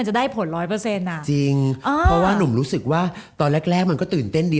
จริงตอนแรกแรกมันตื่นเต้นดี